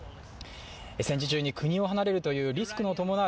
戦時中に国を離れるというリスクの伴う